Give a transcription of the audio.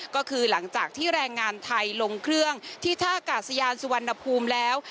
ก็คือหลังจากที่แรงงานไทยลงเครื่องที่ท่ากาศยานสุวรรณภูมิแล้ว